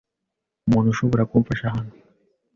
Umuntu ashobora kumfasha hano?